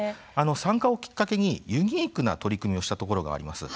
参加をきっかけにユニークな取り組みをしたところがあります。